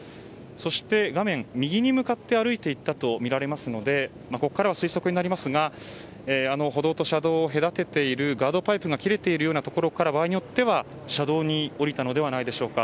そして、画面右に向かって歩いて行ったとみられますのでここからは推測になりますが歩道と車道を隔てているガードパイプが切れているようなところから場合によっては車道に下りたのではないでしょうか。